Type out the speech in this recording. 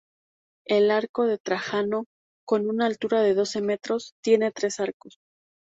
El Arco de Trajano, con una altura de doce metros, tiene tres arcos.